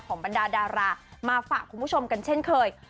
บรรดาดารามาฝากคุณผู้ชมกันเช่นเคย